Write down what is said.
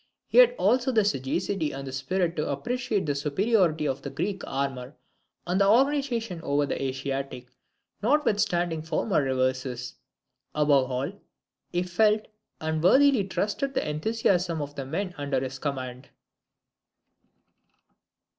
He had also the sagacity and the spirit to appreciate the superiority of the Greek armour and organization over the Asiatic, notwithstanding former reverses. Above all, he felt and worthily trusted the enthusiasm of the men under his command.